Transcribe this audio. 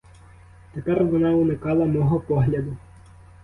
Тепер вона уникала мого погляду.